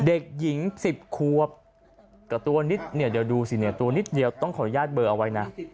เด็กหญิง๑๐ควบกับตัวนิดเนี่ยเดี๋ยวดูสิเนี่ยตัวนิดเดียวต้องขออนุญาตเบอร์เอาไว้นะ